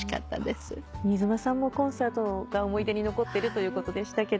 新妻さんもコンサートが思い出に残ってるということでしたけど。